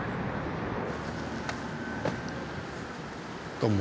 どうも。